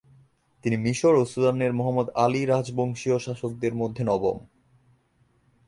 তিনি মিশর ও সুদানের মুহাম্মদ আলি রাজবংশীয় শাসকদের মধ্যে নবম।